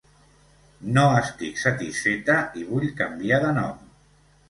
No estic satisfeta i vull canviar de nom.